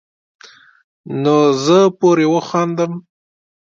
نو زۀ پورې وخاندم ـ